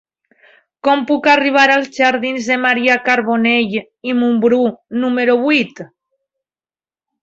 Com puc arribar als jardins de Maria Carbonell i Mumbrú número vuit?